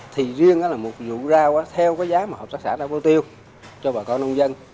thì riêng là một vụ rau theo cái giá mà hợp tác xã đã bao tiêu cho bà con nông dân